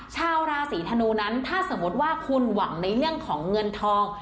ชาวราศีธนูนั้นถ้าสมมติว่าคุณหวังในเรื่องของเงินทอง